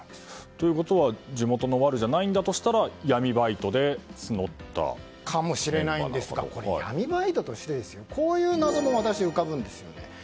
ということは地元のワルじゃないんだとしたらかもしれないんですがこれ、闇バイトとしてもこういう謎も浮かぶんですよね。